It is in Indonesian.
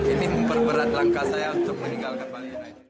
ini memperberat langkah saya untuk meninggalkan bali united